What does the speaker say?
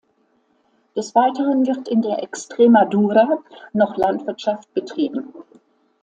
Des Weiteren wird in der Extremadura noch Landwirtschaft betrieben.